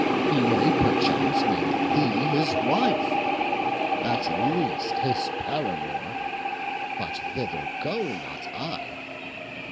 he may perchance Make thee his wife—at least his paramour! But thither go not I!